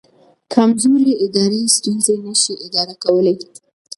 کمزوري ادارې ستونزې نه شي اداره کولی.